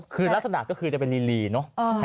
คือลักษณะก็คือจะเป็นลีเนอะ